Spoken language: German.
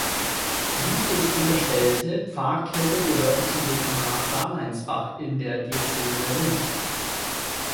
Vitus unterstellte Pfarrkirche gehört zum Dekanat Sarleinsbach in der Diözese Linz.